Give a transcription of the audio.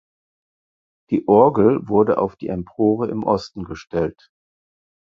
Die Orgel wurde auf die Empore im Osten gestellt.